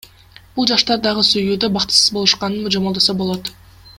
Бул жаштар дагы сүйүүдө бактысыз болушканын божомолдосо болот.